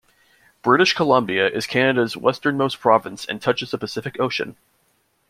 British Columbia is Canada's westernmost province and touches the Pacific Ocean.